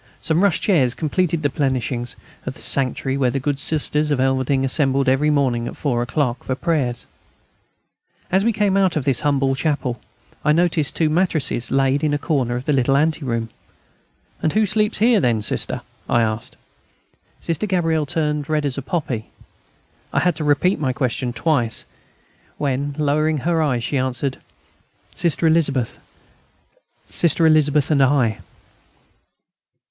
Some rush chairs completed the plenishings of the sanctuary where the good Sisters of Elverdinghe assembled every morning at four o'clock for prayers. And, as we came out of this humble chapel, I noticed two mattresses, laid in a corner of the little anteroom. "Who sleeps here, then, Sister?" I asked. Sister Gabrielle turned as red as a poppy. I had to repeat my question twice, when, lowering her eyes, she answered: "Sister Elizabeth Sister Elizabeth ... and I."